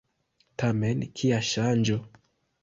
Tamen kia ŝanĝo!